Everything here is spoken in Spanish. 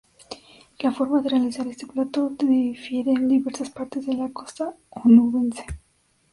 La forma de realizar este plato difiere en diversas partes de la costa onubense.